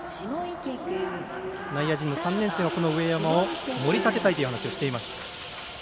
内野陣の３年生は上山を盛り立てたいという話をしていました。